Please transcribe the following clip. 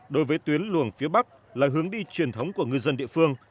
đối với tuyến luồng phía bắc là hướng đi truyền thống của ngư dân địa phương